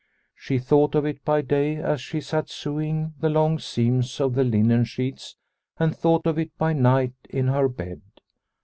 She thought of it by day as she sat sewing the long seams of the linen sheets and thought of it by night in her bed.